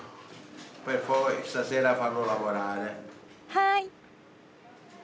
はい。